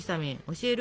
教える？